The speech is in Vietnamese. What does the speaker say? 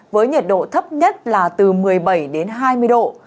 với nhiệt độ thấp nhất là từ một mươi bảy đến hai mươi độ